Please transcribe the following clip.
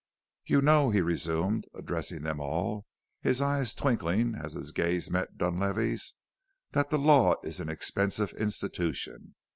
"You know," he resumed, addressing them all, his eyes twinkling as his gaze met Dunlavey's, "that the law is an expensive institution.